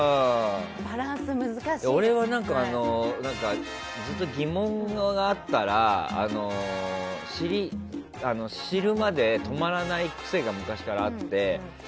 俺はずっと疑問があったら知るまで止まらない癖が昔からあって。